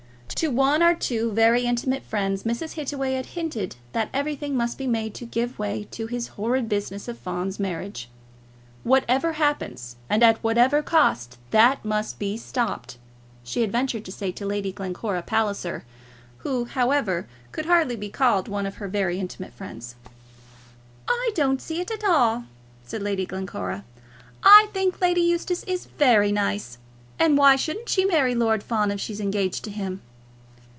To one or two very intimate friends Mrs. Hittaway had hinted that everything must be made to give way to this horrid business of Fawn's marriage. "Whatever happens, and at whatever cost, that must be stopped," she had ventured to say to Lady Glencora Palliser, who, however, could hardly be called one of her very intimate friends. "I don't see it at all," said Lady Glencora. "I think Lady Eustace is very nice. And why shouldn't she marry Lord Fawn if she's engaged to him?"